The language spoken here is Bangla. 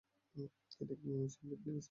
এটি একটি ময়মনসিংহের পিকনিক স্পট।